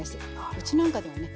うちなんかではね